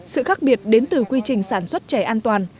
sự khác biệt đến từ quy trình sản xuất trẻ an toàn